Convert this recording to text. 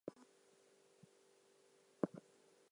The song also samples David Bowie's "Fame".